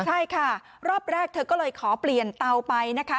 ใช่ค่ะรอบแรกเธอก็เลยขอเปลี่ยนเตาไปนะคะ